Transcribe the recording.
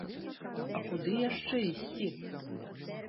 А куды яшчэ ісці?